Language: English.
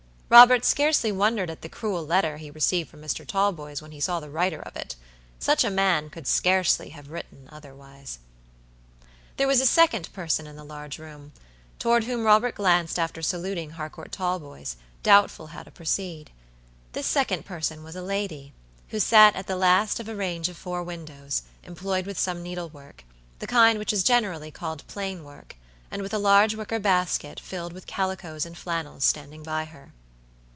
Robert scarcely wondered at the cruel letter he received from Mr. Talboys when he saw the writer of it. Such a man could scarcely have written otherwise. There was a second person in the large room, toward whom Robert glanced after saluting Harcourt Talboys, doubtful how to proceed. This second person was a lady, who sat at the last of a range of four windows, employed with some needlework, the kind which is generally called plain work, and with a large wicker basket, filled with calicoes and flannels, standing by her.